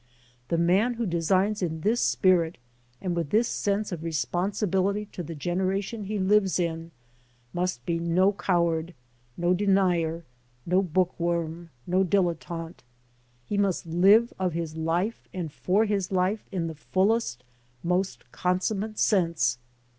The man who designs in this spirit and with this sense of respon sibility to the generation he lives in must be no coward, no denier, no bookworm, no dilettante. He must live of his life and for his life in the fullest, most consummate sense.